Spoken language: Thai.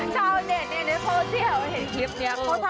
เจ้าเน็ตในโพสต์ที่เขาเห็นคลิปนี้